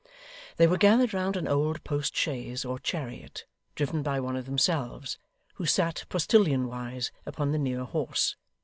They were gathered round an old post chaise or chariot, driven by one of themselves, who sat postilion wise upon the near horse.